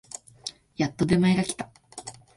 やっと出前が来た